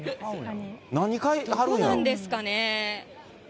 どうなんですかね。